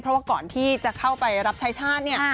เพราะว่าก่อนที่จะเข้าไปรับใช้ชาติเนี่ย